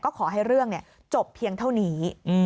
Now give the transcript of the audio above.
ก็ขอให้เรื่องจบเพียงเท่านี้